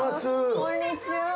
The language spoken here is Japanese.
こんにちは。